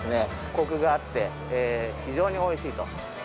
コクがあって非常に美味しいと。